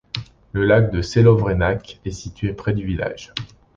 Le lac de Šelovrenac est situé près du village.